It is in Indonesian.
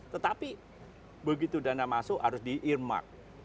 tetapi begitu dana masuk harus di irmak